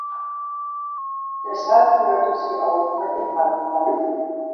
Deshalb hörte sie auf mit dem Handball.